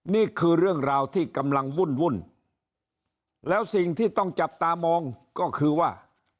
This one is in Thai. นี่คือเรื่องราวที่กำลังวุ่นแล้วสิ่งที่ต้องจับตามองก็คือว่า